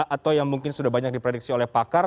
atau yang mungkin sudah banyak diprediksi oleh pakar